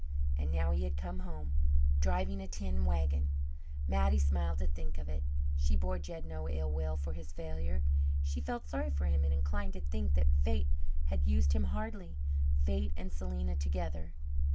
And now he had come home, driving a tin wagon. Mattie smiled to think of it. She bore Jed no ill will for his failure. She felt sorry for him and inclined to think that fate had used him hardly fate and Selena together.